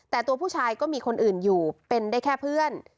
แต่ตัวผู้ชายก็มีคนอื่นอยู่เป็นได้แค่เพื่อน